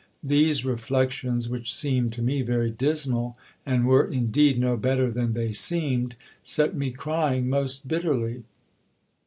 These reflections, which seemed to me very dismal, and were indeed no better than they seemed, set me crying most bitterly.